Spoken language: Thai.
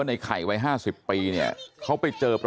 น้าสาวของน้าผู้ต้องหาเป็นยังไงไปดูนะครับ